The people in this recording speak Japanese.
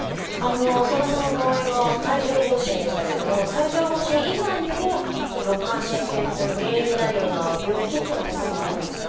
浅田さんの場合は帯状疱疹でしたけども帯状疱疹以外にも肋間神経痛の原因になるような病気っていうのはほかにもあるんですか？